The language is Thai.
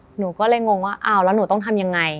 หนูก็เลยงงว่าอ้าวแล้วหนูต้องทำยังไง